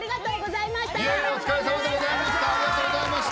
いえお疲れさまでございました。